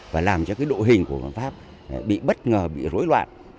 và làm cho cái độ hình của quân pháp bị bất ngờ bị rối loạn